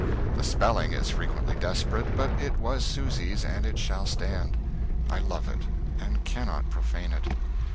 The spelling is frequently desperate, but it was Susy's, and it shall stand. I love it, and cannot profane it.